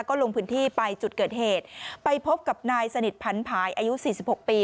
ก็ลงพื้นที่ไปจุดเกิดเหตุไปพบกับนายสนิทผันผายอายุสี่สิบหกปี